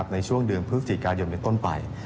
ในช่วงเดือนพฤศจิกายนเป็นต้นไป